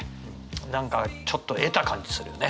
何かちょっと得た感じするよね。